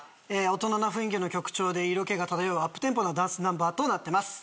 大人な雰囲気の曲調で色気が漂うアップテンポなダンスナンバーとなってます。